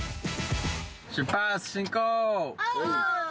出発進行！